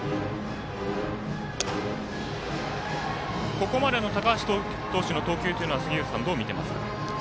ここまでの高橋投手の投球はどう見ていますか？